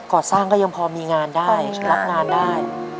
ก่อสร้างก็ยังพอมีงานได้รับงานได้